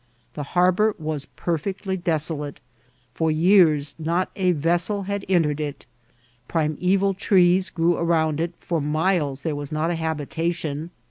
The harbour was perfectly desolate; for years not a vessel had entered it ; primeval trees grew around it; for miles there was not a habitation.